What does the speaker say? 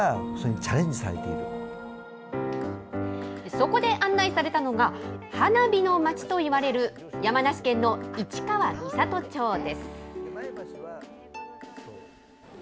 そこで案内されたのが、花火の街といわれる、山梨県の市川三郷町です。